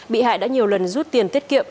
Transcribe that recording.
bị hại đã nhiều lần rút tiền tiết kiệm